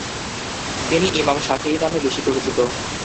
তিনি Imam Shafi'i নামে বেশি পরিচিত ।